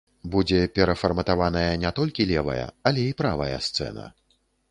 Будзе перафарматаваная не толькі левая, але і правая сцэна.